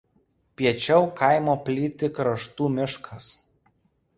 Piečiau kaimo plyti Kraštų miškas.